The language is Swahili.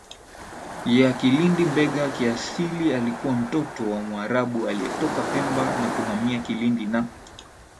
ya KilindiMbegha kiasili alikuwa mtoto wa Mwarabu aliyetoka Pemba na kuhamia Kilindi na